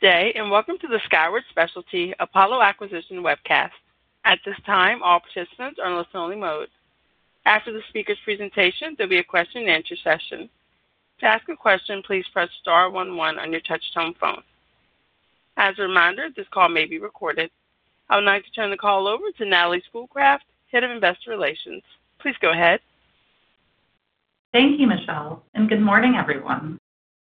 Today, and welcome to the Skyward Specialty Apollo Acquisition webcast. At this time, all participants are in listen-only mode. After the speaker's presentation, there will be a question and answer session. To ask a question, please press star one one on your touch-tone phone. As a reminder, this call may be recorded. I would like to turn the call over to Natalie Schoolcraft, Head of Investor Relations. Please go ahead. Thank you, Michelle, and good morning, everyone.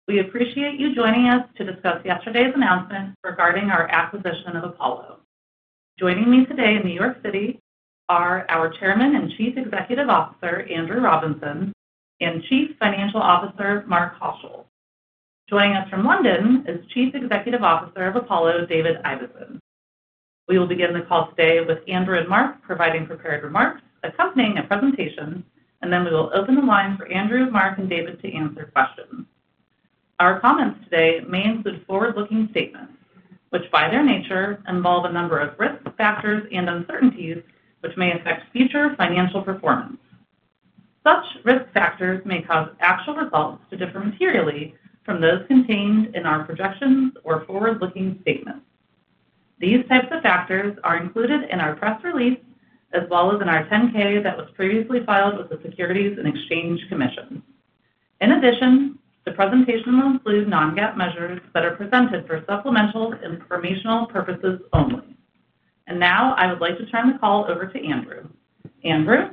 We appreciate you joining us to discuss yesterday's announcement regarding our acquisition of Apollo. Joining me today in New York City are our Chairman and Chief Executive Officer, Andrew Robinson, and Chief Financial Officer, Mark Haushill. Joining us from London is Chief Executive Officer of Apollo, David Ibeson. We will begin the call today with Andrew and Mark providing prepared remarks accompanying a presentation, then we will open the line for Andrew, Mark, and David to answer questions. Our comments today may include forward-looking statements, which by their nature involve a number of risk factors and uncertainties which may affect future financial performance. Such risk factors may cause actual results to differ materially from those contained in our projections or forward-looking statements. These types of factors are included in our press release, as well as in our 10-K that was previously filed with the Securities and Exchange Commission. In addition, the presentation will include non-GAAP measures that are presented for supplemental informational purposes only. I would like to turn the call over to Andrew. Andrew?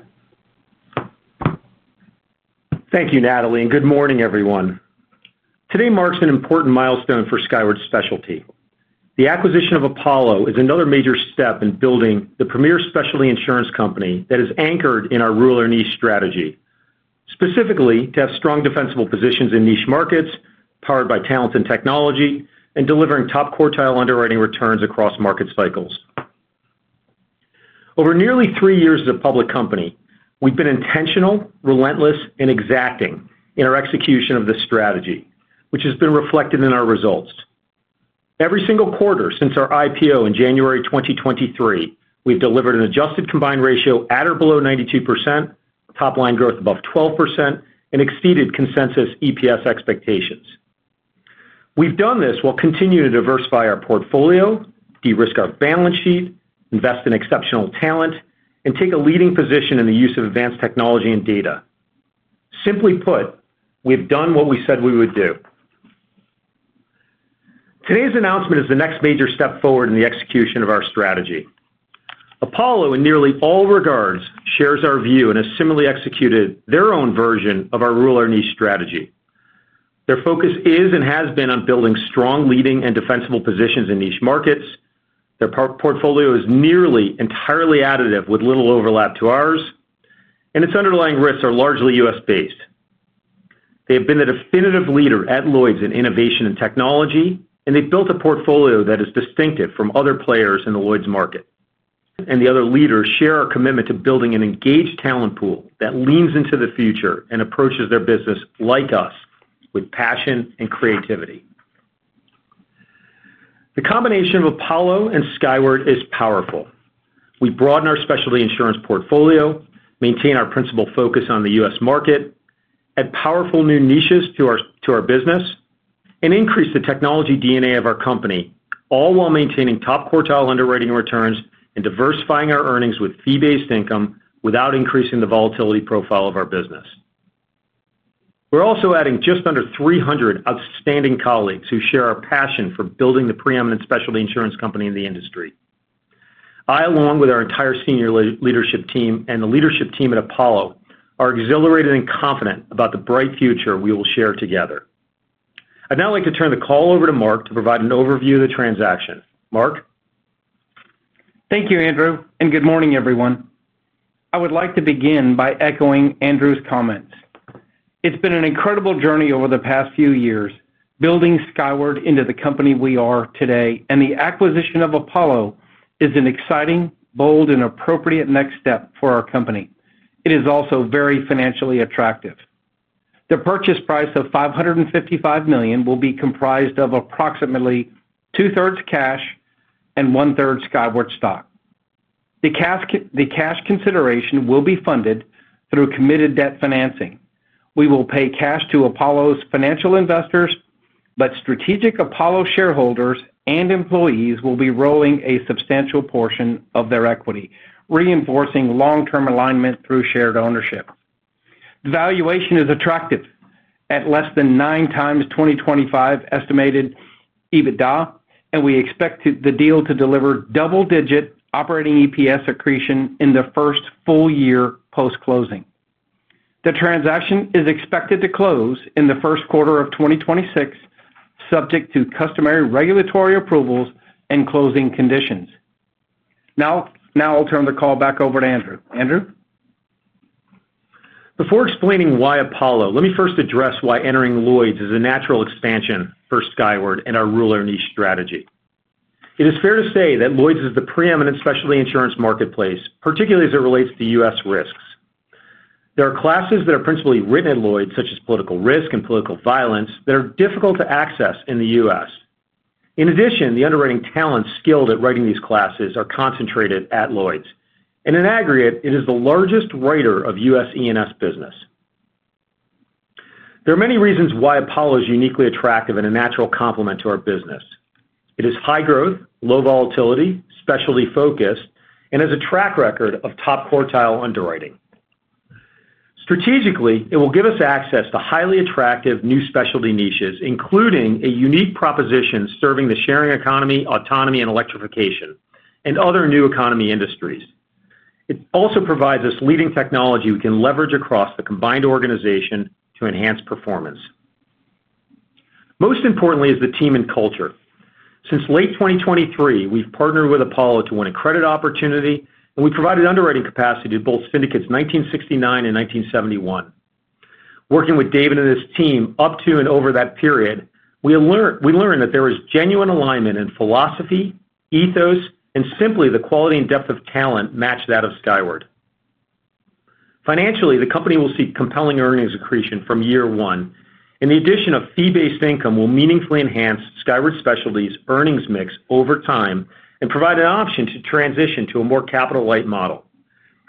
Thank you, Natalie, and good morning, everyone. Today marks an important milestone for Skyward Specialty. The acquisition of Apollo is another major step in building the premier specialty insurance company that is anchored in our rule-our- niche strategy, specifically to have strong, defensible positions in niche markets, powered by talent and technology, and delivering top- quartile underwriting returns across market cycles. Over nearly three years as a public company, we've been intentional, relentless, and exacting in our execution of this strategy, which has been reflected in our results. Every single quarter since our IPO in January, 2023, we've delivered an adjusted combined ratio at or below 92%, top line growth above 12%, and exceeded consensus EPS expectations. We've done this while continuing to diversify our portfolio, de-risk our balance sheet, invest in exceptional talent, and take a leading position in the use of advanced technology and data. Simply put, we've done what we said we would do. Today's announcement is the next major step forward in the execution of our strategy. Apollo, in nearly all regards, shares our view and has similarly executed their own version of our rule-our- niche strategy. Their focus is and has been on building strong, leading, and defensible positions in niche markets. Their portfolio is nearly entirely additive, with little overlap to ours, and its underlying risks are largely U.S.-based. They have been the definitive leader at Lloyd’s in innovation and technology, and they've built a portfolio that is distinctive from other players in the Lloyd’s market. The other leaders share our commitment to building an engaged talent pool that leans into the future and approaches their business like us, with passion and creativity. The combination of Apollo and Skyward is powerful. We broaden our specialty insurance portfolio, maintain our principal focus on the U.S. market, add powerful new niches to our business, and increase the technology DNA of our company, all while maintaining top- quartile underwriting returns and diversifying our earnings with fee-based income without increasing the volatility profile of our business. We're also adding just under 300 outstanding colleagues who share our passion for building the preeminent specialty insurance company in the industry. I, along with our entire Senior Leadership Team and the Leadership Team at Apollo, are exhilarated and confident about the bright future we will share together. I'd now like to turn the call over to Mark to provide an overview of the transaction. Mark? Thank you, Andrew, and good morning, everyone. I would like to begin by echoing Andrew's comments. It's been an incredible journey over the past few years, building Skyward into the company we are today, and the acquisition of Apollo is an exciting, bold, and appropriate next step for our company. It is also very financially attractive. The purchase price of $555 million will be comprised of approximately 2/3 cash and 1/3 Skyward stock. The cash consideration will be funded through committed debt financing. We will pay cash to Apollo's financial investors, but strategic Apollo shareholders and employees will be rolling a substantial portion of their equity, reinforcing long-term alignment through shared ownership. The valuation is attractive, at less than 9 x 2025 estimated EBITDA, and we expect the deal to deliver double-digit operating EPS accretion in the first full year post-closing. The transaction is expected to close in the first quarter of 2026, subject to customary regulatory approvals and closing conditions. Now, I'll turn the call back over to Andrew. Andrew? Before explaining why Apollo, let me first address why entering Lloyd’s is a natural expansion for Skyward and our rule-our- niche strategy. It is fair to say that Lloyd’s is the preeminent specialty insurance marketplace, particularly as it relates to U.S. risks. There are classes that are principally written at Lloyd’s, such as political risk and political violence, that are difficult to access in the U.S. In addition, the underwriting talents skilled at writing these classes are concentrated at Lloyd’s. In aggregate, it is the largest writer of U.S. E&S business. There are many reasons why Apollo is uniquely attractive and a natural complement to our business. It is high growth, low volatility, specialty-focused, and has a track record of top- quartile underwriting. Strategically, it will give us access to highly attractive new specialty niches, including a unique proposition serving the sharing economy, autonomy, and electrification, and other new economy industries. It also provides us leading technology we can leverage across the combined organization to enhance performance. Most importantly is the team and culture. Since late 2023, we’ve partnered with Apollo to win a credit opportunity, and we provided underwriting capacity to both syndicates 1969 and 1971. Working with David and his team up to and over that period, we learned that there was genuine alignment in philosophy, ethos, and simply the quality and depth of talent matched that of Skyward. Financially, the company will see compelling earnings accretion from year one, and the addition of fee-based income will meaningfully enhance Skyward Specialty’s earnings mix over time and provide an option to transition to a more capital-light model.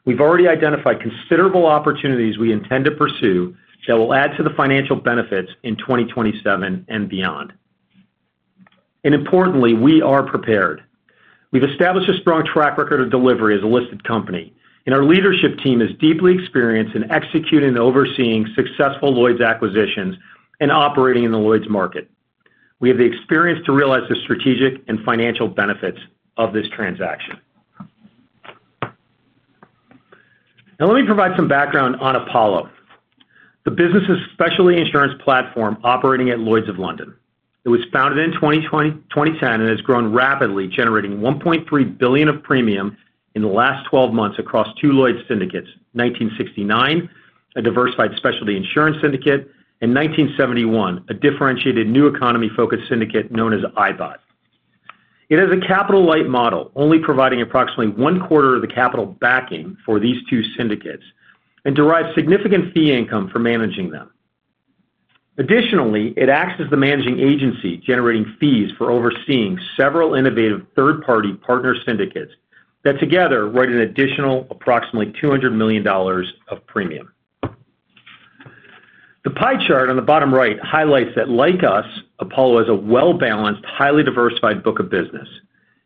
We’ve already identified considerable opportunities we intend to pursue that will add to the financial benefits in 2027 and beyond. Importantly, we are prepared. We’ve established a strong track record of delivery as a listed company, and our leadership team is deeply experienced in executing and overseeing successful Lloyd’s acquisitions and operating in the Lloyd’s market. We have the experience to realize the strategic and financial benefits of this transaction. Now, let me provide some background on Apollo, the business’s specialty insurance platform operating at Lloyd’s of London. It was founded in 2010 and has grown rapidly, generating $1.3 billion of premium in the last 12 months across two Lloyd’s syndicates: 1969, a diversified specialty insurance syndicate, and 1971, a differentiated new economy-focused syndicate known as ibott. It has a capital-light model, only providing approximately 1/4 of the capital backing for these two syndicates and derives significant fee income for managing them. Additionally, it acts as the managing agency, generating fees for overseeing several innovative third-party partner syndicates that together write an additional approximately $200 million of premium. The pie chart on the bottom right highlights that, like us, Apollo has a well-balanced, highly diversified book of business.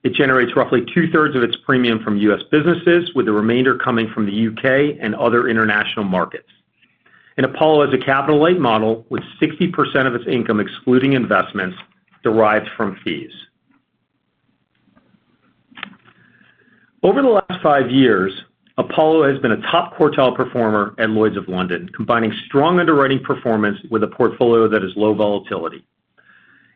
It generates roughly 2/3 of its premium from U.S. businesses, with the remainder coming from the U.K. and other international markets. Apollo has a capital-light model with 60% of its income, excluding investments, derived from fees. Over the last five years, Apollo has been a top- quartile performer at Lloyd’s of London, combining strong underwriting performance with a portfolio that is low volatility.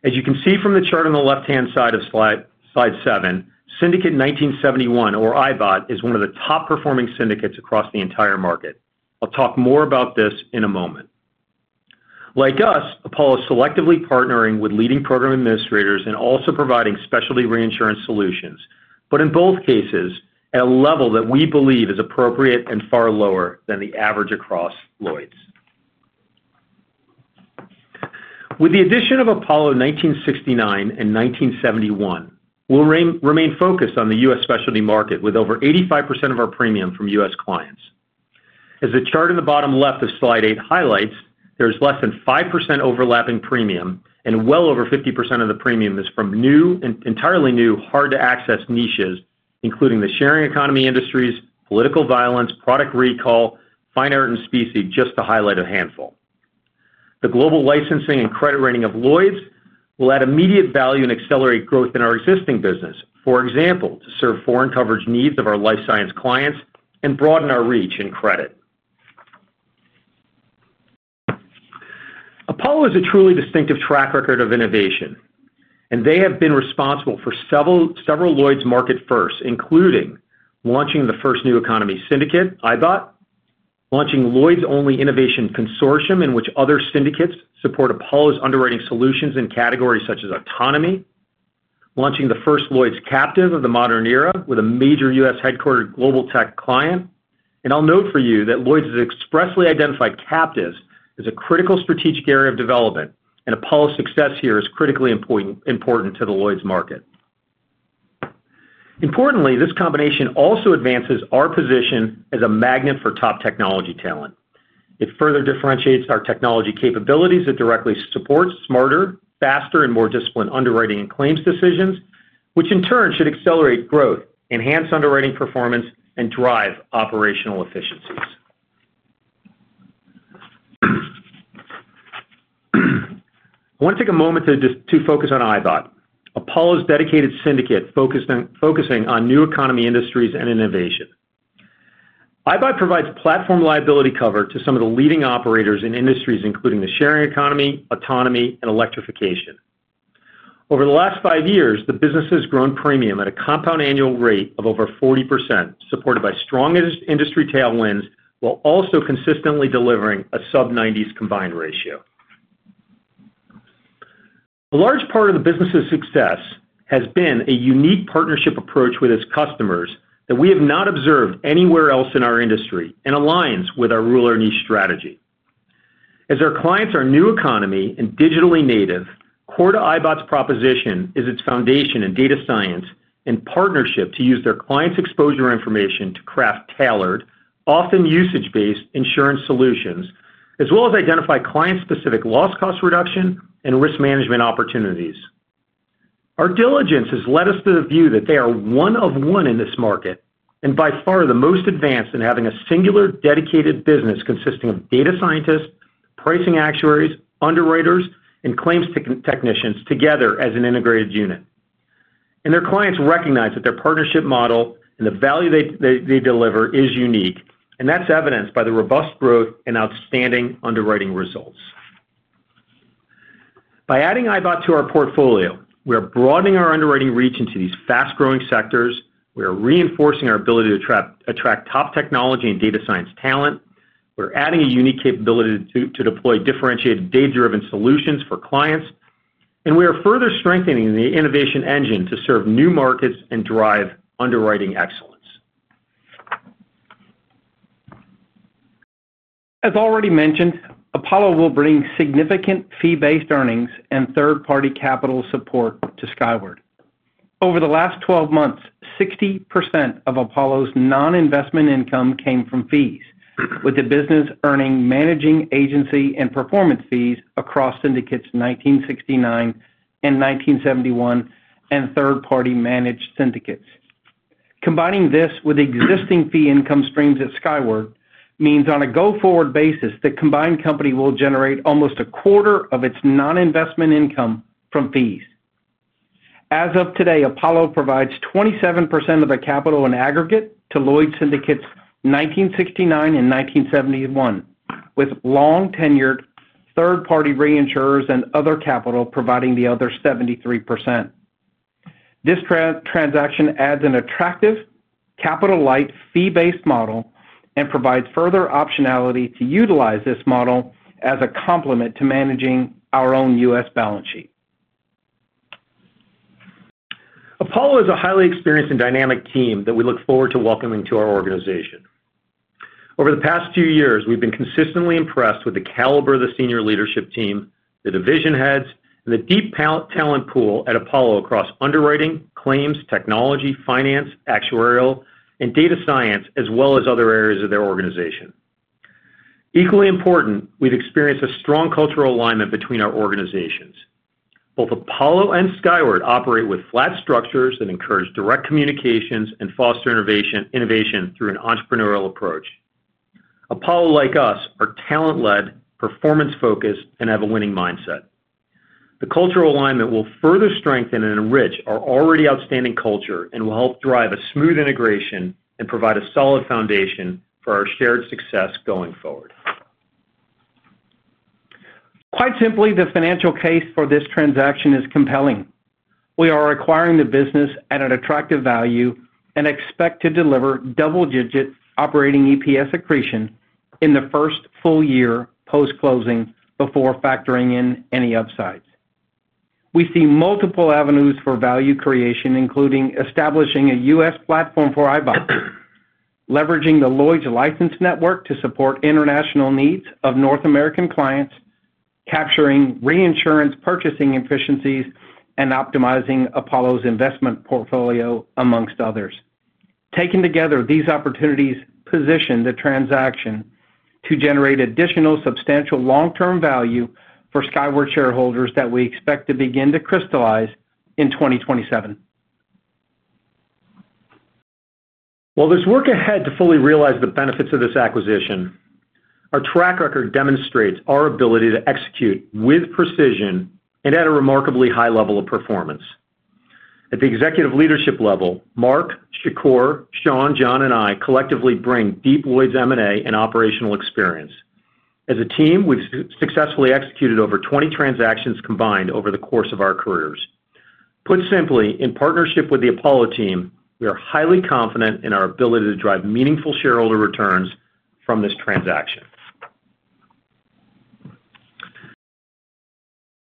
As you can see from the chart on the left-hand side of slide seven, syndicate 1971, or ibott, is one of the top-performing syndicates across the entire market. I'll talk more about this in a moment. Like us, Apollo is selectively partnering with leading program administrators and also providing specialty reinsurance solutions, but in both cases, at a level that we believe is appropriate and far lower than the average across Lloyd’s. With the addition of Apollo 1969 and 1971, we'll remain focused on the U.S. specialty market, with over 85% of our premium from U.S. clients. As the chart in the bottom left of slide eight highlights, there is less than 5% overlapping premium, and well over 50% of the premium is from new and entirely new hard-to-access niches, including the sharing- economy industries, political violence, product recall, fine art and species, just to highlight a handful. The global licensing and credit rating of Lloyd’s will add immediate value and accelerate growth in our existing business, for example, to serve foreign coverage needs of our life science clients and broaden our reach and credit. Apollo has a truly distinctive track record of innovation, and they have been responsible for several Lloyd’s market firsts, including launching the first new economy syndicate, ibott, launching Lloyd’s only innovation consortium in which other syndicates support Apollo’s underwriting solutions in categories such as autonomy, launching the first Lloyd’s captive of the modern era with a major U.S.-headquartered global tech client. I’ll note for you that Lloyd’s has expressly identified captives as a critical strategic area of development, and Apollo’s success here is critically important to the Lloyd’s market. Importantly, this combination also advances our position as a magnet for top technology talent. It further differentiates our technology capabilities that directly support smarter, faster, and more disciplined underwriting and claims decisions, which in turn should accelerate growth, enhance underwriting performance, and drive operational efficiencies. I want to take a moment to focus on ibott, Apollo’s dedicated syndicate focusing on new- economy industries and innovation. Ibott provides platform liability cover to some of the leading operators in industries including the sharing economy, autonomy, and electrification. Over the last five years, the business has grown premium at a compound annual rate of over 40%, supported by strong industry tailwinds, while also consistently delivering a sub-90% combined ratio. A large part of the business’s success has been a unique partnership approach with its customers that we have not observed anywhere else in our industry and aligns with our rule-our-niche strategy. As our clients are a new economy and digitally native, core to ibott’s proposition is its foundation in data science and partnership to use their clients’ exposure information to craft tailored, often usage-based insurance solutions, as well as identify client-specific loss cost reduction and risk management opportunities. Our diligence has led us to the view that they are one of one in this market and by far the most advanced in having a singular dedicated business consisting of data scientists, pricing actuaries, underwriters, and claims technicians together as an integrated unit. Their clients recognize that their partnership model and the value they deliver is unique, and that’s evidenced by the robust growth and outstanding underwriting results. By adding ibott to our portfolio, we are broadening our underwriting reach into these fast-growing sectors. We are reinforcing our ability to attract top technology and data science talent. We're adding a unique capability to deploy differentiated data-driven solutions for clients, and we are further strengthening the innovation engine to serve new markets and drive underwriting excellence. As already mentioned, Apollo will bring significant fee-based earnings and third-party capital support to Skyward. Over the last 12 months, 60% of Apollo's non-investment income came from fees, with the business earning managing agency and performance fees across syndicates 1969 and 1971 and third-party managed syndicates. Combining this with existing fee income streams at Skyward means on a go-forward basis the combined company will generate almost a quarter of its non-investment income from fees. As of today, Apollo provides 27% of the capital in aggregate to Lloyd’s syndicates 1969 and 1971, with long-tenured third-party reinsurers and other capital providing the other 73%. This transaction adds an attractive capital-light fee-based model and provides further optionality to utilize this model as a complement to managing our own U.S. balance sheet. Apollo is a highly experienced and dynamic team that we look forward to welcoming to our organization. Over the past few years, we've been consistently impressed with the caliber of the senior leadership team, the division heads, and the deep talent pool at Apollo across underwriting, claims, technology, finance, actuarial, and data science, as well as other areas of their organization. Equally important, we've experienced a strong cultural alignment between our organizations. Both Apollo and Skyward operate with flat structures that encourage direct communications and foster innovation through an entrepreneurial approach. Apollo, like us, are talent-led, performance-focused, and have a winning mindset. The cultural alignment will further strengthen and enrich our already outstanding culture and will help drive a smooth integration and provide a solid foundation for our shared success going forward. Quite simply, the financial case for this transaction is compelling. We are acquiring the business at an attractive value and expect to deliver double-digit operating EPS accretion in the first full year post-closing before factoring in any upsides. We see multiple avenues for value creation, including establishing a U.S. platform for ibott, leveraging the Lloyd’s licensed network to support international needs of North American clients, capturing reinsurance purchasing efficiencies, and optimizing Apollo’s investment portfolio, amongst others. Taken together, these opportunities position the transaction to generate additional substantial long-term value for Skyward shareholders that we expect to begin to crystallize in 2027. While there's work ahead to fully realize the benefits of this acquisition, our track record demonstrates our ability to execute with precision and at a remarkably high level of performance. At the executive leadership level, Mark, Shakoor, Sean, John, and I collectively bring deep Lloyd’s M&A and operational experience. As a team, we've successfully executed over 20 transactions combined over the course of our careers. Put simply, in partnership with the Apollo team, we are highly confident in our ability to drive meaningful shareholder returns from this transaction.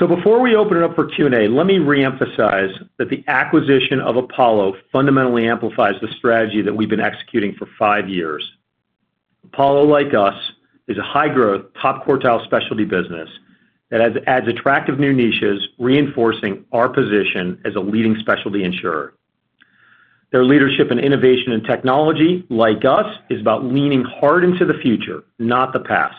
Before we open it up for Q&A, let me reemphasize that the acquisition of Apollo fundamentally amplifies the strategy that we've been executing for five years. Apollo, like us, is a high-growth, top-quartile specialty business that adds attractive new niches, reinforcing our position as a leading specialty insurer. Their leadership in innovation and technology, like us, is about leaning hard into the future, not the past.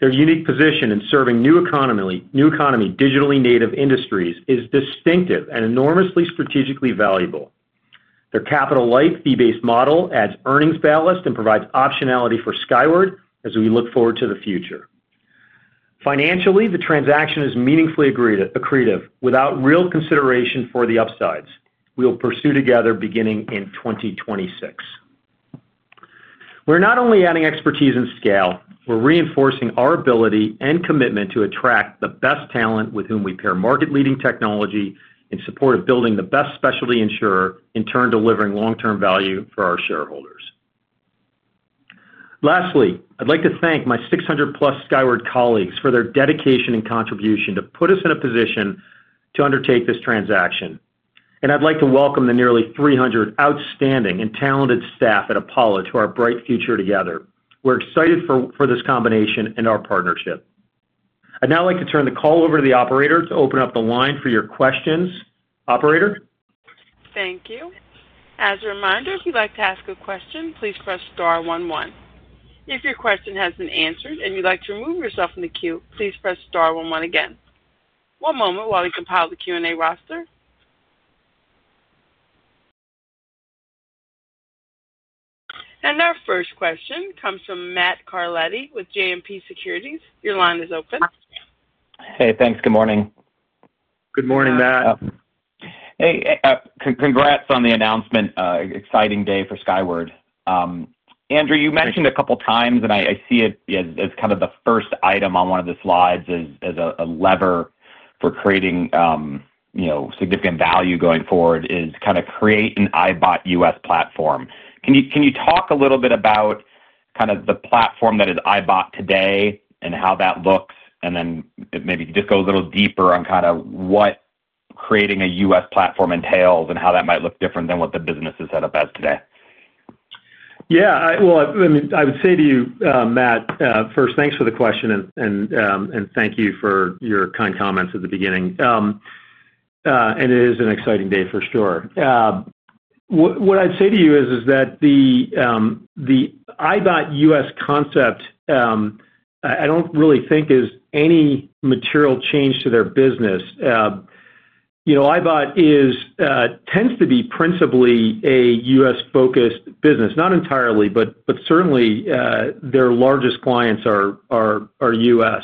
Their unique position in serving new economy, new economy digitally- native industries is distinctive and enormously strategically valuable. Their capital-light fee-based model adds earnings ballast and provides optionality for Skyward as we look forward to the future. Financially, the transaction is meaningfully accretive without real consideration for the upsides. We will pursue together beginning in 2026. We're not only adding expertise and scale, we're reinforcing our ability and commitment to attract the best talent with whom we pair market-leading technology in support of building the best specialty insurer, in turn delivering long-term value for our shareholders. Lastly, I'd like to thank my 600+ Skyward colleagues for their dedication and contribution to put us in a position to undertake this transaction. I'd like to welcome the nearly 300 outstanding and talented staff at Apollo to our bright future together. We're excited for this combination and our partnership. I'd now like to turn the call over to the operator to open up the line for your questions. Operator? Thank you. As a reminder, if you'd like to ask a question, please press star one one. If your question has been answered and you'd like to remove yourself from the queue, please press star one one again. One moment while we compile the Q&A roster. Our first question comes from Matt Carletti with JMP Securities. Your line is open. Hey, thanks. Good morning. Good morning, Matt. Hey, congrats on the announcement. Exciting day for Skyward. Andrew, you mentioned a couple of times, and I see it as kind of the first item on one of the slides as a lever for creating significant value going forward is kind of create an ibott U.S. platform. Can you talk a little bit about the platform that is ibott today and how that looks? Maybe you could just go a little deeper on what creating a U.S. platform entails and how that might look different than what the business is set up as today. Yeah, I would say to you, Matt, first thanks for the question and thank you for your kind comments at the beginning. It is an exciting day for sure. What I'd say to you is that the ibott U.S. concept, I don't really think is any material change to their business. Ibott tends to be principally a US-focused business, not entirely, but certainly their largest clients are U.S.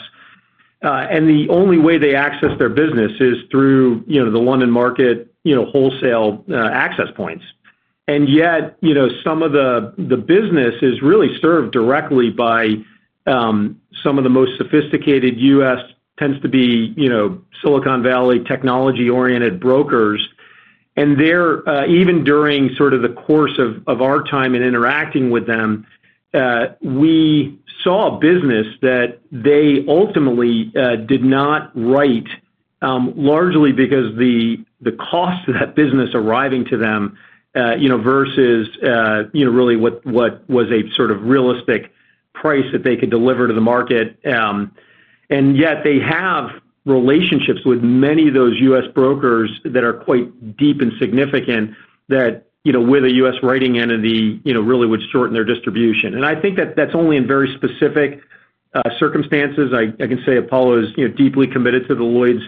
The only way they access their business is through the London market, wholesale access points. Yet, some of the business is really served directly by some of the most sophisticated U.S., tends to be Silicon Valley technology-oriented brokers. There, even during the course of our time in interacting with them, we saw a business that they ultimately did not write, largely because the cost of that business arriving to them versus really what was a sort of realistic price that they could deliver to the market. Yet they have relationships with many of those U.S. brokers that are quite deep and significant that with a U.S. writing entity really would shorten their distribution. I think that that's only in very specific circumstances. I can say Apollo is deeply committed to the Lloyd’s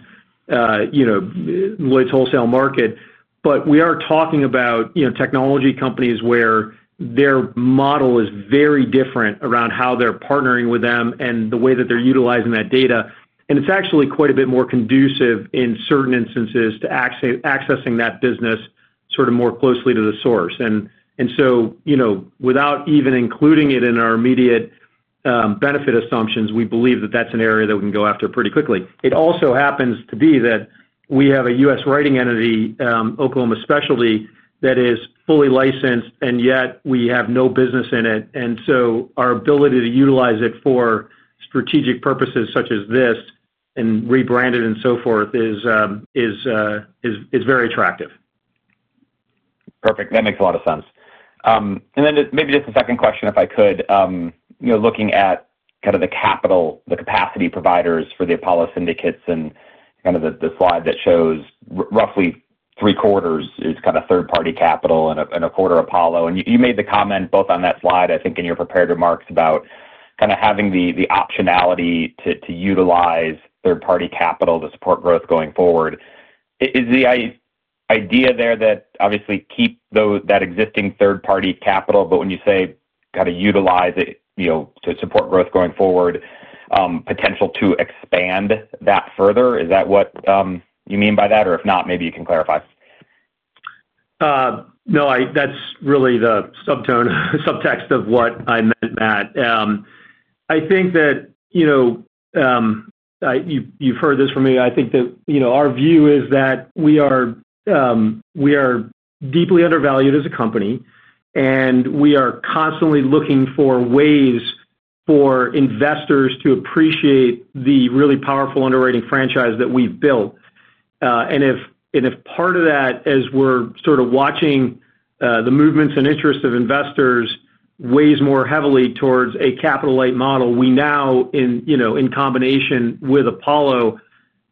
wholesale market. We are talking about technology companies where their model is very different around how they're partnering with them and the way that they're utilizing that data. It's actually quite a bit more conducive in certain instances to accessing that business more closely to the source. Without even including it in our immediate benefit assumptions, we believe that that's an area that we can go after pretty quickly. It also happens to be that we have a U.S. writing entity, Oklahoma Specialty, that is fully licensed, and yet we have no business in it. Our ability to utilize it for strategic purposes such as this and rebrand it and so forth is very attractive. Perfect. That makes a lot of sense. Maybe just a second question, if I could, looking at the capital, the capacity providers for the Apollo syndicates and the slide that shows roughly 3/4 is third-party capital and 1/4 Apollo. You made the comment both on that slide, I think, in your prepared remarks about having the optionality to utilize third-party capital to support growth going forward. Is the idea there that you obviously keep that existing third-party capital, but when you say utilize it to support growth going forward, is there potential to expand that further? Is that what you mean by that? If not, maybe you can clarify. No, that's really the subtext of what I meant, Matt. I think that you've heard this from me. I think that our view is that we are deeply undervalued as a company, and we are constantly looking for ways for investors to appreciate the really powerful underwriting franchise that we've built. If part of that, as we're watching the movements and interests of investors, weighs more heavily towards a capital-light model, we now, in combination with Apollo,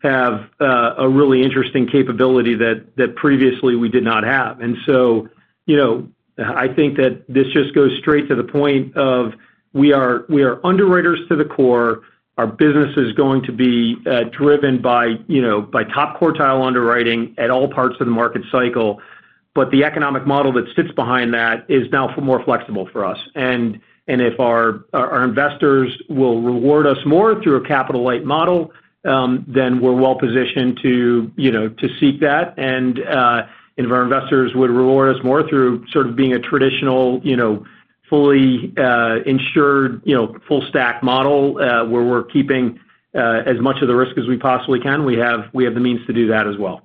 have a really interesting capability that previously we did not have. I think that this just goes straight to the point of we are underwriters to the core. Our business is going to be driven by top- quartile underwriting at all parts of the market cycle, but the economic model that sits behind that is now more flexible for us. If our investors will reward us more through a capital-light model, then we're well positioned to seek that. If our investors would reward us more through being a traditional, fully insured, full-stack model where we're keeping as much of the risk as we possibly can, we have the means to do that as well.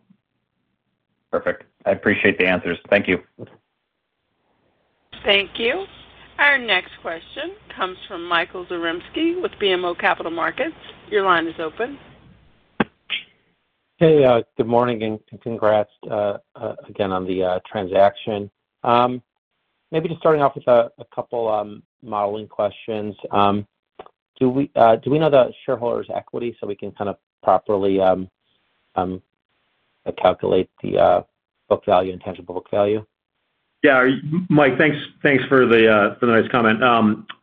Perfect. I appreciate the answers. Thank you. Thank you. Our next question comes from Michael Zaremski with BMO Capital Markets. Your line is open. Hey, good morning, and congrats again on the transaction. Maybe just starting off with a couple of modeling questions. Do we know the shareholders' equity so we can kind of properly calculate the book value and tangible book value? Yeah, Mike, thanks for the nice comment.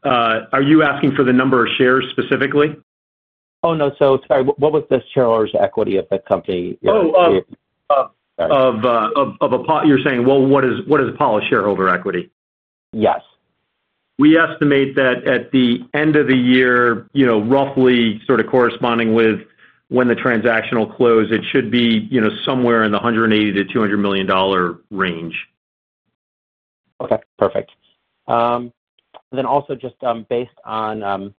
Are you asking for the number of shares specifically? Sorry, what was the shareholders' equity of the company? Of Apollo, you're saying, what is Apollo's shareholder equity? Yes. We estimate that at the end of the year, roughly sort of corresponding with when the transaction will close, it should be somewhere in the $180 million- $200 million range. Okay, perfect. Also, just based on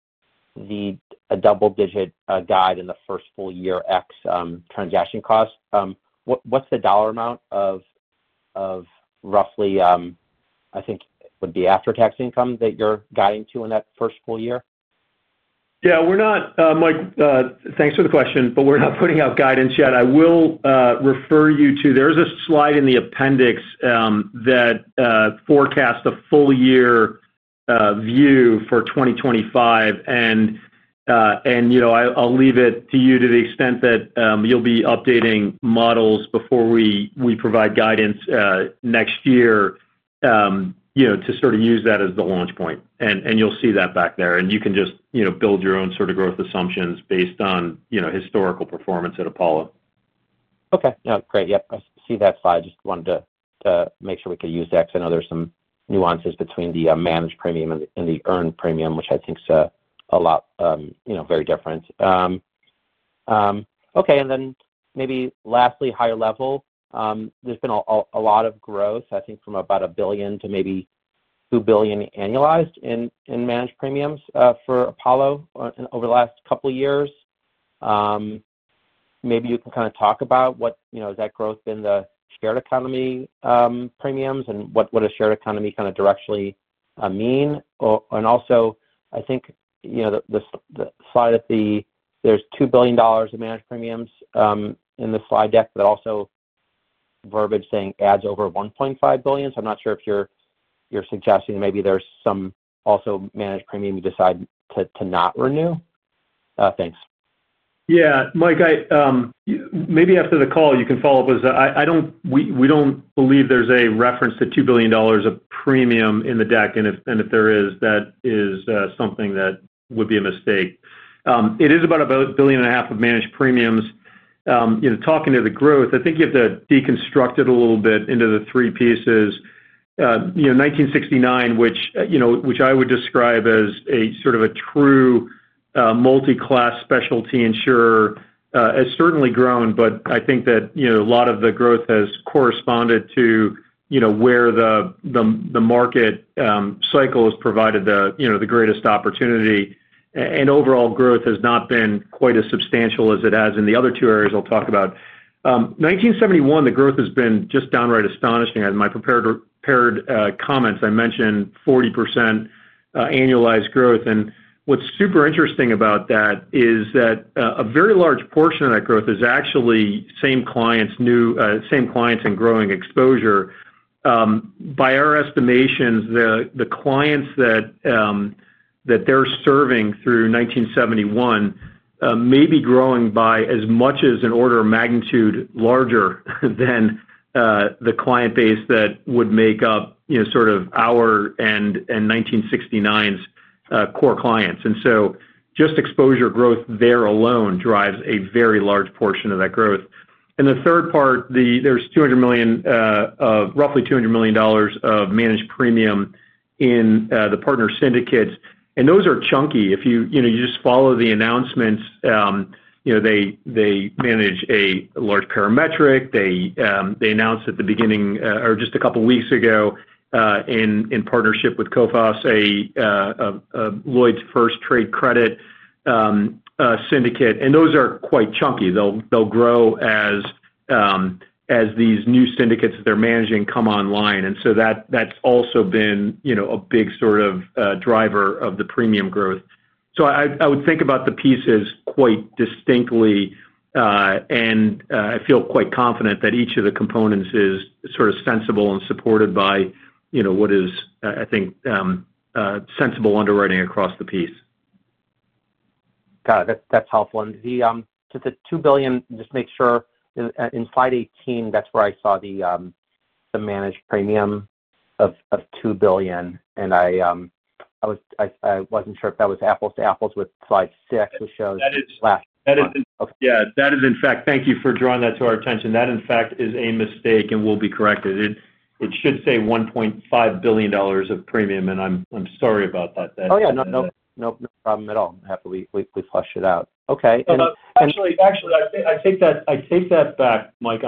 the double-digit guide in the first full year X transaction cost, what's the dollar amount of roughly, I think, would be after-tax income that you're guiding to in that first full year? Yeah, we're not, Mike, thanks for the question, but we're not putting out guidance yet. I will refer you to, there's a slide in the appendix that forecasts a full-year view for 2025. I'll leave it to you to the extent that you'll be updating models before we provide guidance next year to sort of use that as the launch point. You'll see that back there, and you can just build your own sort of growth assumptions based on historical performance at Apollo. Okay, yeah, great. Yeah, I see that slide. I just wanted to make sure we could use that because I know there's some nuances between the managed premium and the earned premium, which I think is a lot, you know, very different. Okay, maybe lastly, higher level, there's been a lot of growth, I think, from about $1 billion to maybe $2 billion annualized in managed premiums for Apollo over the last couple of years. Maybe you can kind of talk about what, you know, is that growth in the sharing economy premiums and what a sharing economy kind of directionally means. Also, I think, you know, the slide at the, there's $2 billion of managed premiums in the slide deck, but also verbiage saying adds over $1.5 billion. I'm not sure if you're suggesting that maybe there's some also managed premium you decide to not renew. Thanks. Yeah, Mike, maybe after the call, you can follow up with, we don't believe there's a reference to $2 billion of premium in the deck. If there is, that is something that would be a mistake. It is about $1.5 billion of managed premiums. Talking to the growth, I think you have to deconstruct it a little bit into the three pieces. 1969, which I would describe as a sort of a true multi-class specialty insurer, has certainly grown, but I think that a lot of the growth has corresponded to where the market cycle has provided the greatest opportunity. Overall growth has not been quite as substantial as it has in the other two areas I'll talk about. 1971, the growth has been just downright astonishing. In my prepared comments, I mentioned 40% annualized growth. What's super interesting about that is that a very large portion of that growth is actually same clients, new same clients, and growing exposure. By our estimations, the clients that they're serving through 1971 may be growing by as much as an order of magnitude larger than the client base that would make up sort of our and 1 969's core clients. Just exposure growth there alone drives a very large portion of that growth. The third part, there's roughly $200 million of managed premium in the partner syndicates. Those are chunky. If you just follow the announcements, they manage a large parametric. They announced at the beginning, or just a couple of weeks ago, in partnership with Coface, a Lloyd’s first trade credit syndicate. Those are quite chunky. They'll grow as these new syndicates that they're managing come online. That's also been a big sort of driver of the premium growth. I would think about the pieces quite distinctly, and I feel quite confident that each of the components is sort of sensible and supported by what is, I think, sensible underwriting across the piece. Got it. That's helpful. The $2 billion, just to make sure, in slide 18, that's where I saw the managed premium of $2 billion. I wasn't sure if that was apples to apples with slide six, which shows. That is, in fact, thank you for drawing that to our attention. That, in fact, is a mistake and will be corrected. It should say $1.5 billion of premium, and I'm sorry about that. No problem at all. I'm happy we flushed it out. Okay. I'm sorry about that, Mike.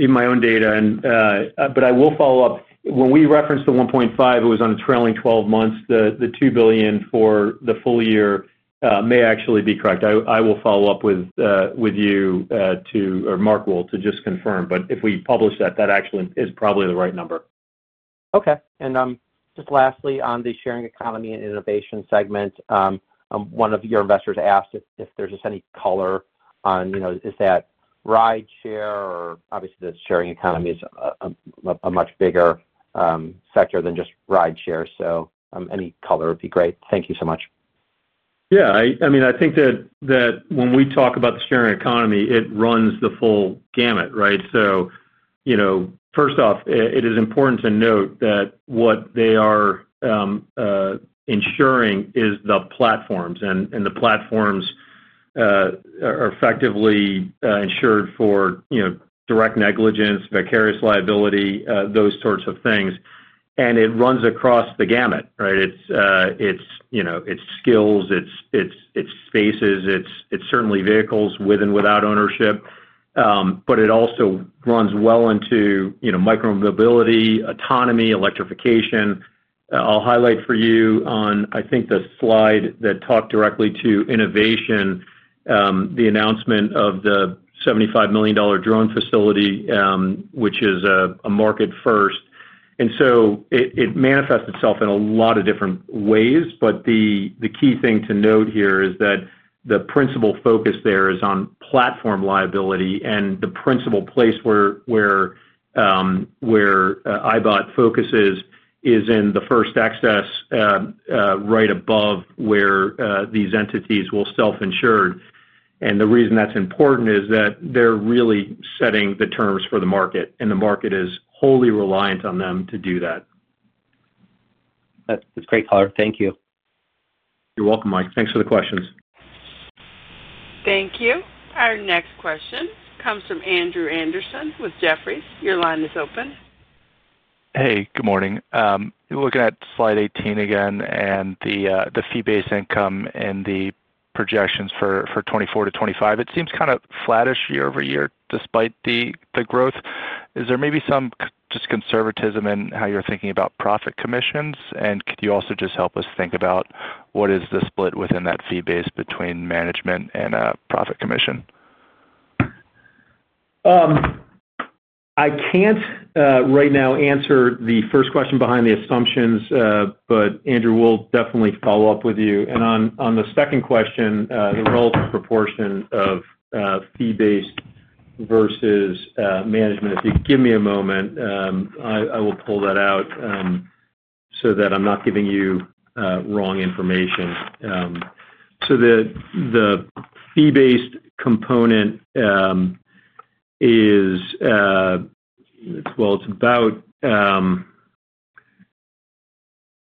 Even my own data, but I will follow up. When we referenced the $1.5 billion, it was on a trailing 12 months. The $2 billion for the full year may actually be correct. I will follow up with you to, or Mark will, to just confirm. If we publish that, that actually is probably the right number. Okay. Just lastly, on the sharing economy and innovation segment, one of your investors asked if there's any color on, you know, is that ride share, or obviously the sharing economy is a much bigger sector than just ride share. Any color would be great. Thank you so much. Yeah, I mean, I think that when we talk about the sharing economy, it runs the full gamut, right? First off, it is important to note that what they are insuring is the platforms, and the platforms are effectively insured for direct negligence, vicarious liability, those sorts of things. It runs across the gamut, right? It's skills, it's spaces, it's certainly vehicles with and without ownership. It also runs well into micro-mobility, autonomy, electrification. I'll highlight for you on, I think, the slide that talked directly to innovation, the announcement of the $75 million drone facility, which is a market first. It manifests itself in a lot of different ways, but the key thing to note here is that the principal focus there is on platform liability, and the principal place where ibott focuses is in the first access right above where these entities will self-insure. The reason that's important is that they're really setting the terms for the market, and the market is wholly reliant on them to do that. That's great color. Thank you. You're welcome, Mike. Thanks for the questions. Thank you. Our next question comes from Andrew Anderson with Jefferies. Your line is open. Hey, good morning. Looking at slide 18 again, and the fee-based income and the projections for 2024- 2025, it seems kind of flattish year over year despite the growth. Is there maybe some just conservatism in how you're thinking about profit commissions? Could you also just help us think about what is the split within that fee base between management and a profit commission? I can't right now answer the first question behind the assumptions, but Andrew will definitely follow up with you. On the second question, the relative proportion of fee-based versus management, if you could give me a moment, I will pull that out so that I'm not giving you wrong information. The fee-based component is about,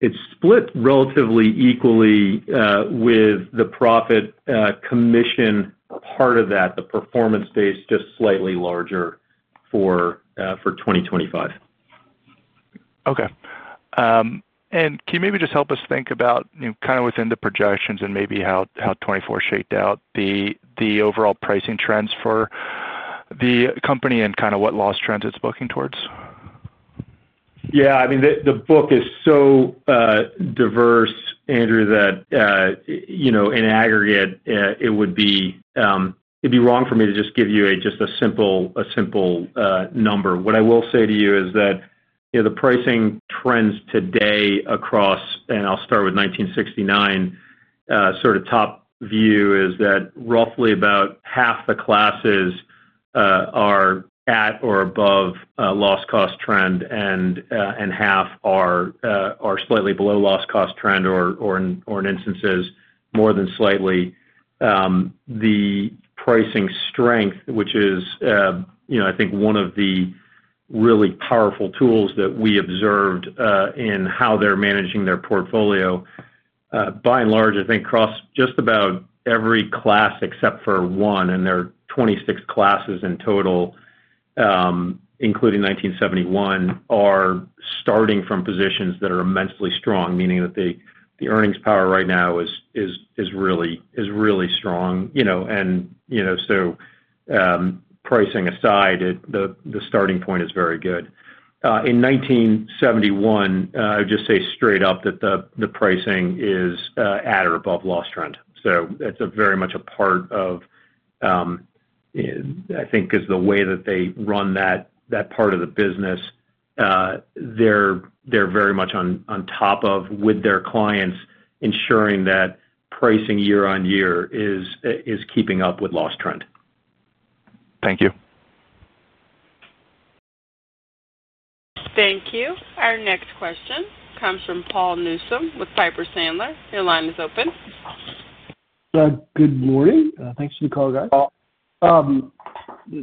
it's split relatively equally with the profit commission part of that, the performance-based, just slightly larger for 2025. Okay. Can you maybe just help us think about within the projections and how 2024 shaped out the overall pricing trends for the company and what loss trends it's booking towards? Yeah, I mean, the book is so diverse, Andrew, that in aggregate, it would be wrong for me to just give you just a simple number. What I will say to you is that the pricing trends today across, and I'll start with 1969, sort of top view is that roughly about half the classes are at or above a loss- cost trend, and half are slightly below loss- cost trend, or in instances, more than slightly. The pricing strength, which is, I think, one of the really powerful tools that we observed in how they're managing their portfolio, by and large, I think across just about every class except for one, and there are 26 classes in total, including 1971, are starting from positions that are immensely strong, meaning that the earnings power right now is really strong. Pricing aside, the starting point is very good. In 1971, I would just say straight up that the pricing is at or above loss trend. It's very much a part of, I think, is the way that they run that part of the business. They're very much on top of, with their clients, ensuring that pricing year on year is keeping up with loss trend. Thank you. Thank you. Our next question comes from Paul Newsome with Piper Sandler. Your line is open. Good morning. Thanks for the call, guys.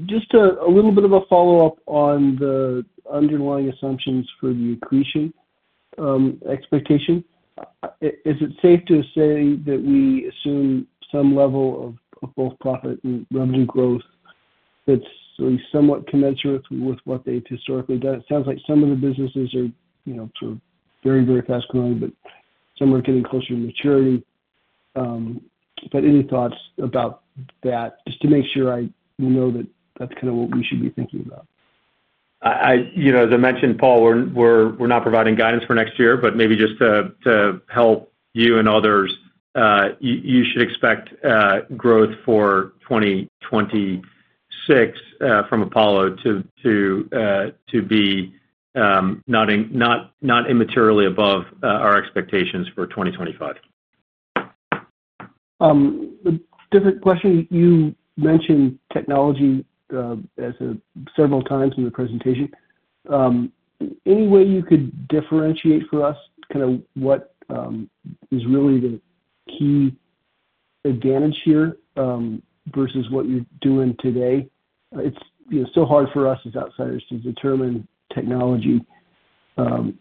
Just a little bit of a follow-up on the underlying assumptions for the accretion expectation. Is it safe to say that we assume some level of both profit and revenue growth that's sort of somewhat commensurate with what they've historically done? It sounds like some of the businesses are very, very fast growing, but some are getting closer to maturity. Any thoughts about that? Just to make sure I know that that's kind of what we should be thinking about. As I mentioned, Paul, we're not providing guidance for next year, but maybe just to help you and others, you should expect growth for 2026 from Apollo to be not immaterially above our expectations for 2025. Different question, you mentioned technology several times in the presentation. Any way you could differentiate for us what is really the key advantage here versus what you're doing today? It's still hard for us as outsiders to determine technology relative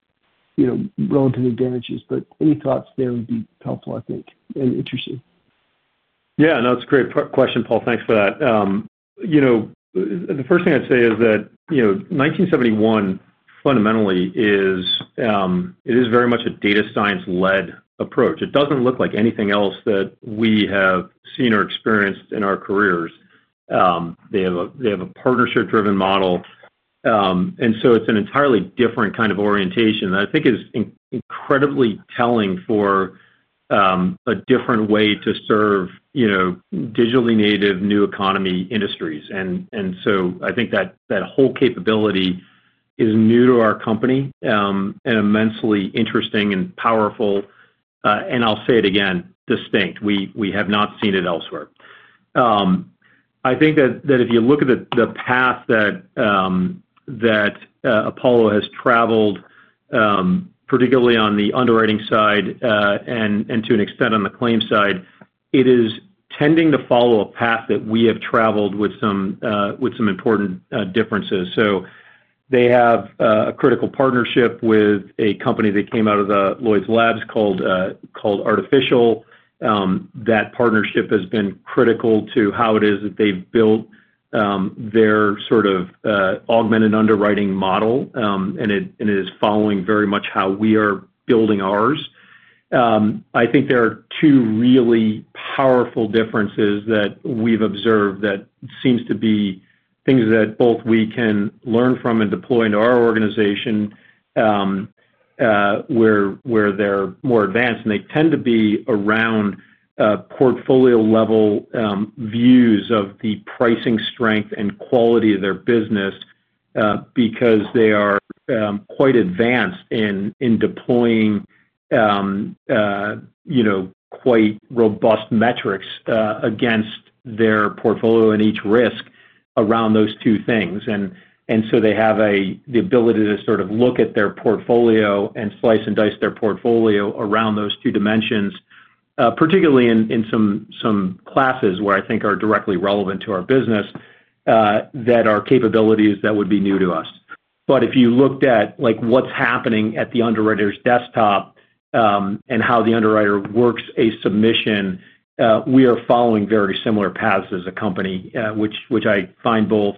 to the advantages, but any thoughts there would be helpful, I think, and interesting. Yeah, no, that's a great question, Paul. Thanks for that. The first thing I'd say is that 1971 fundamentally is, it is very much a data science-led approach. It doesn't look like anything else that we have seen or experienced in our careers. They have a partnership-driven model. It's an entirely different kind of orientation that I think is incredibly telling for a different way to serve digitally native new economy industries. I think that whole capability is new to our company and immensely interesting and powerful. I'll say it again, distinct. We have not seen it elsewhere. I think that if you look at the path that Apollo has traveled, particularly on the underwriting side and to an extent on the claims side, it is tending to follow a path that we have traveled with some important differences. They have a critical partnership with a company that came out of the Lloyd’s Labs called Artificial. That partnership has been critical to how it is that they've built their sort of augmented underwriting model, and it is following very much how we are building ours. I think there are two really powerful differences that we've observed that seem to be things that both we can learn from and deploy into our organization where they're more advanced, and they tend to be around portfolio-level views of the pricing strength and quality of their business because they are quite advanced in deploying quite robust metrics against their portfolio and each risk around those two things. They have the ability to sort of look at their portfolio and slice and dice their portfolio around those two dimensions, particularly in some classes where I think are directly relevant to our business that are capabilities that would be new to us. If you looked at what's happening at the underwriter's desktop and how the underwriter works a submission, we are following very similar paths as a company, which I find both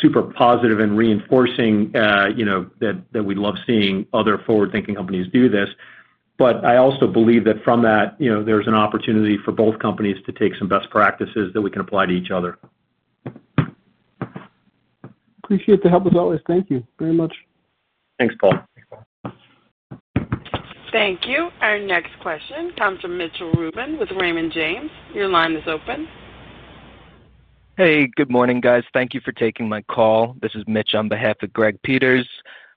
super positive and reinforcing that we'd love seeing other forward-thinking companies do this. I also believe that from that, there's an opportunity for both companies to take some best practices that we can apply to each other. Appreciate the help with all this. Thank you very much. Thanks, Paul. Thank you. Our next question comes from Mitchell Rubin with Raymond James. Your line is open. Hey, good morning, guys. Thank you for taking my call. This is Mitch on behalf of Greg Peters.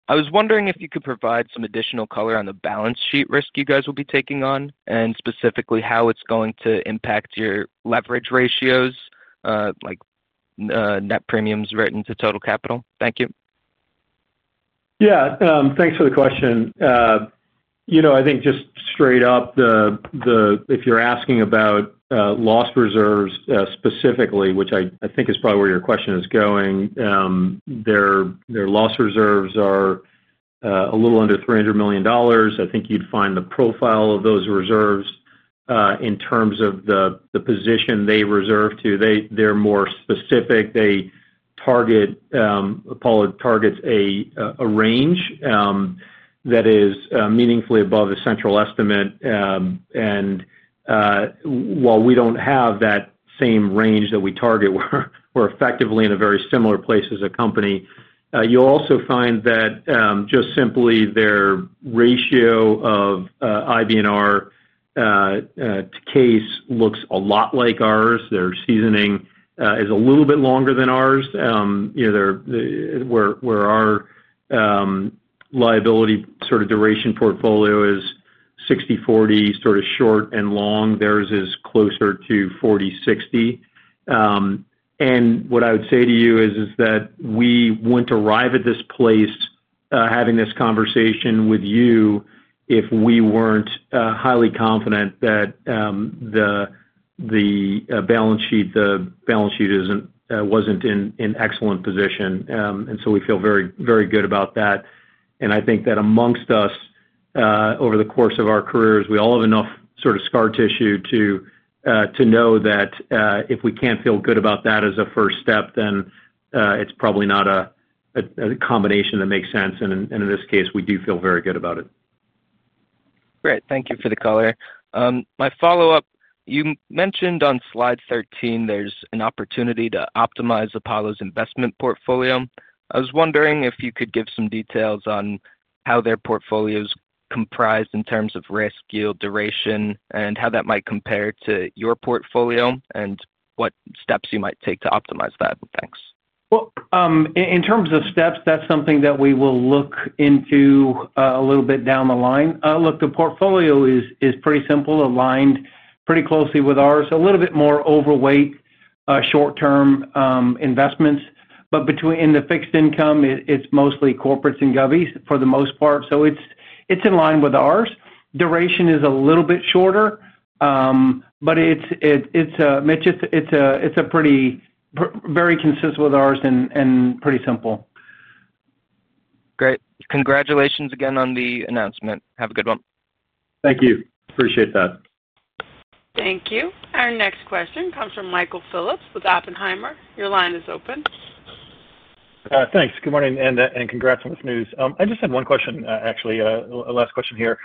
I was wondering if you could provide some additional color on the balance sheet risk you guys will be taking on and specifically how it's going to impact your leverage ratios, like net premiums written to total capital. Thank you. Yeah, thanks for the question. I think just straight up, if you're asking about loss reserves specifically, which I think is probably where your question is going, their loss reserves are a little under $300 million. I think you'd find the profile of those reserves in terms of the position they reserve to. They're more specific. Apollo targets a range that is meaningfully above a central estimate. While we don't have that same range that we target, we're effectively in a very similar place as a company. You'll also find that their ratio of IBNR to CACE looks a lot like ours. Their seasoning is a little bit longer than ours. Where our liability sort of duration portfolio is 60/40, sort of short and long, theirs is closer to 40/60. What I would say to you is that we wouldn't arrive at this place having this conversation with you if we weren't highly confident that the balance sheet wasn't in an excellent position. We feel very, very good about that. I think that amongst us, over the course of our careers, we all have enough sort of scar tissue to know that if we can't feel good about that as a first step, then it's probably not a combination that makes sense. In this case, we do feel very good about it. Great. Thank you for the color. My follow-up, you mentioned on slide 13, there's an opportunity to optimize Apollo's investment portfolio. I was wondering if you could give some details on how their portfolios comprise in terms of risk, yield, duration, and how that might compare to your portfolio and what steps you might take to optimize that. Thanks. In terms of steps, that's something that we will look into a little bit down the line. The portfolio is pretty simple, aligned pretty closely with ours, a little bit more overweight short-term investments. In the fixed income, it's mostly corporates and govies for the most part. It's in line with ours. Duration is a little bit shorter, but it's very consistent with ours and pretty simple. Great. Congratulations again on the announcement. Have a good one. Thank you. Appreciate that. Thank you. Our next question comes from Michael Phillips with Oppenheimer. Your line is open. Thanks. Good morning and congrats on this news. I just had one question, actually, a last question here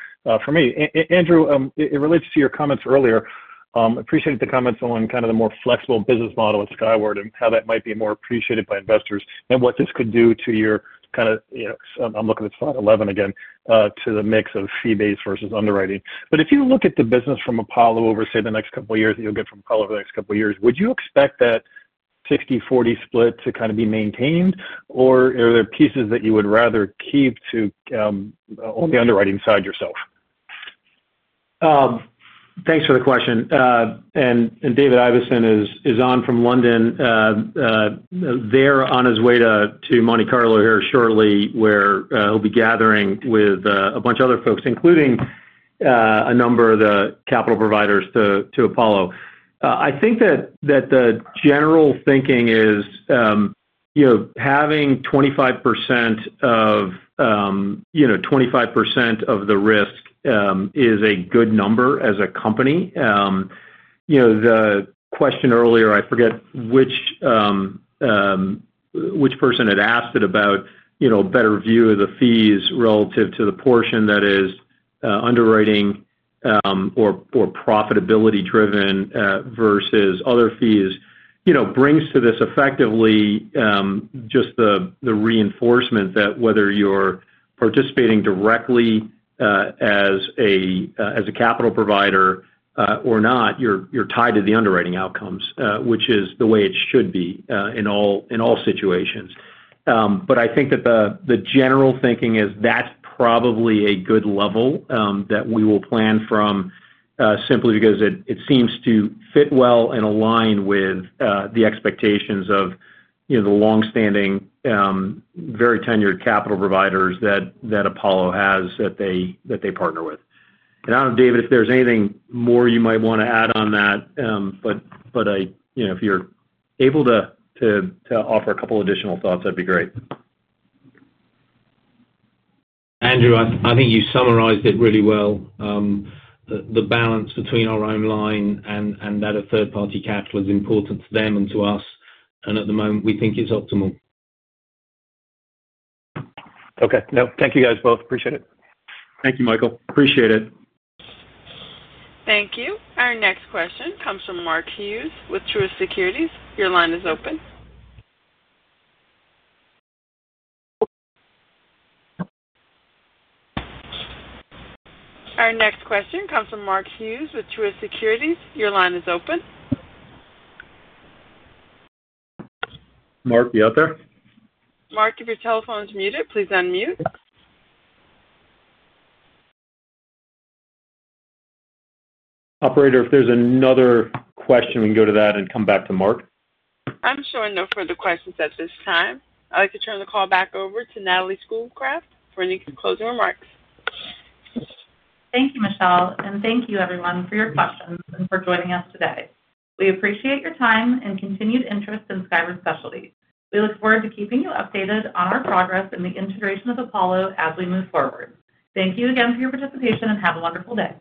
for me. Andrew, it relates to your comments earlier. I appreciate the comments on kind of the more flexible business model at Skyward and how that might be more appreciated by investors and what this could do to your kind of, you know, I'm looking at slide 11 again, to the mix of fee-based versus underwriting. If you look at the business from Apollo over, say, the next couple of years that you'll get from Apollo over the next couple of years, would you expect that 60/40 split to kind of be maintained, or are there pieces that you would rather keep to the underwriting side yourself? Thanks for the question. David Iverson is on from London. He's on his way to Monte Carlo here shortly, where he'll be gathering with a bunch of other folks, including a number of the capital providers to Apollo. I think that the general thinking is, having 25% of the risk is a good number as a company. The question earlier, I forget which person had asked it about a better view of the fees relative to the portion that is underwriting or profitability-driven versus other fees, brings to this effectively just the reinforcement that whether you're participating directly as a capital provider or not, you're tied to the underwriting outcomes, which is the way it should be in all situations. I think that the general thinking is that's probably a good level that we will plan from simply because it seems to fit well and align with the expectations of the longstanding, very tenured capital providers that Apollo has that they partner with. I don't know, David, if there's anything more you might want to add on that, but if you're able to offer a couple of additional thoughts, that'd be great. Andrew, I think you summarized it really well. The balance between our own line and that of third-party capital is important to them and to us, and at the moment, we think it's optimal. Okay, no, thank you guys both. Appreciate it. Thank you, Michael. Appreciate it. Thank you. Our next question comes from Mark Hughes with Truist Securities. Your line is open. Mark, are you out there? Mark, if your telephone's muted, please unmute. Operator, if there's another question, we can go to that and come back to Mark. I'm showing no further questions at this time. I'd like to turn the call back over to Natalie Schoolcraft for any closing remarks. Thank you, Michelle, and thank you, everyone, for your questions and for joining us today. We appreciate your time and continued interest in Skyward Specialty. We look forward to keeping you updated on our progress in the integration of Apollo as we move forward. Thank you again for your participation and have a wonderful day.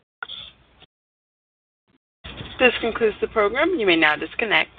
This concludes the program. You may now disconnect.